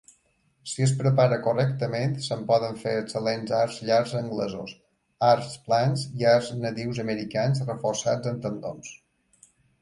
Si es prepara correctament, se'n poden fer excel·lents arcs llargs anglesos, arcs plans i arcs nadius americans reforçats amb tendons.